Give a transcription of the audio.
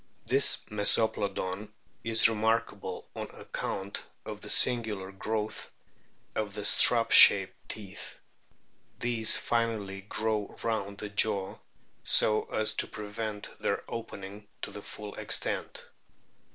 This Mesoplodon is remarkable on account of the singular growth of the strap shaped teeth. These finally grow round the jaw so as to prevent their opening to the full extent.